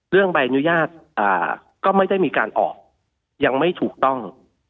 ใบอนุญาตก็ไม่ได้มีการออกยังไม่ถูกต้อง